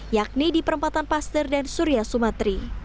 yakni di perempatan paster dan surya sumatri